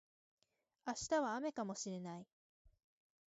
明日は雨かもしれない